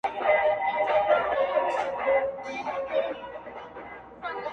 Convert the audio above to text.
• د شنه ارغند، د سپین کابل او د بوُدا لوري_